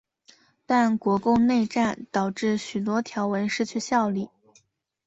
但国共内战导致许多条文失去效力。